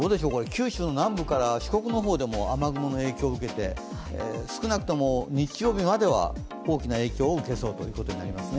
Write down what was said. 九州の南部から四国の方でも雨雲の影響を受けて少なくとも日曜日までは大きな影響を受けそうということになりますね。